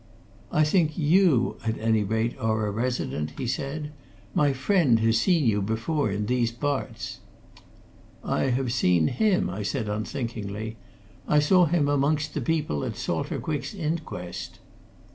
"I think you, at any rate, are a resident?" he said. "My friend has seen you before in these parts." "I have seen him," I said unthinkingly. "I saw him amongst the people at Salter Quick's inquest."